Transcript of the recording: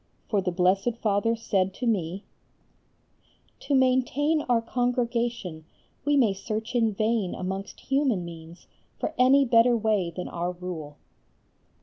For our Blessed Father said to me: "To maintain our Congregation we may search in vain amongst human means for any better way than our Rule."